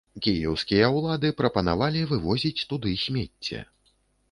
Кіеўскія ўлады прапанавалі вывозіць туды смецце.